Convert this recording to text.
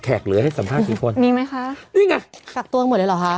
เหลือให้สัมภาษณ์กี่คนมีไหมคะนี่ไงกักตัวหมดเลยเหรอคะ